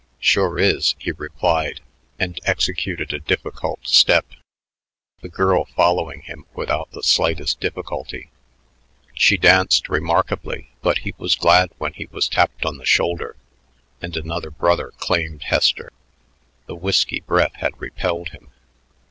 "Sure is," he replied and executed a difficult step, the girl following him without the slightest difficulty. She danced remarkably, but he was glad when he was tapped on the shoulder and another brother claimed Hester. The whisky breath had repelled him.